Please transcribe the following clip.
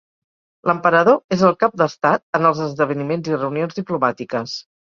L'emperador és el cap d'Estat en els esdeveniments i reunions diplomàtiques.